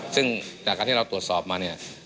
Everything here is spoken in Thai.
ซึ่งจากการที่เราตรวจสอบมาเนี่ย